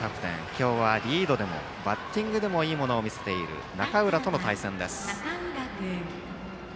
今日はリードでもバッティングでもいいものを見せている中浦との対戦です。